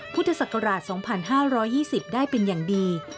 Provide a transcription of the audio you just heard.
พุทธศักราช๒๕๒๐ได้เป็นอย่างดี